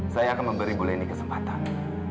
saya akan memberi bu lenny kesempatan